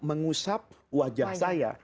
mengusap wajah saya